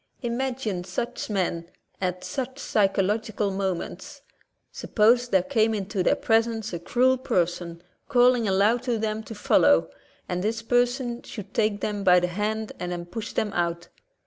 Imagine such men at such psychological moments. Suppose there came into their presence a cruel person calling aloud to them to follow, and this per son should take them by the hand and then push them out.